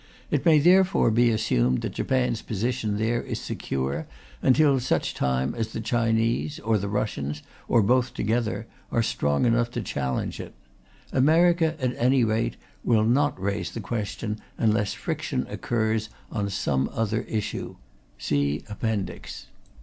It may therefore be assumed that Japan's position there is secure until such time as the Chinese, or the Russians, or both together, are strong enough to challenge it. America, at any rate, will not raise the question unless friction occurs on some other issue. (See Appendix.)